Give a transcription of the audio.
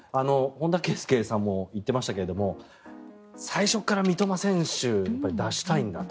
本田圭佑さんも言ってましたが最初から三笘選手を出したいんだと。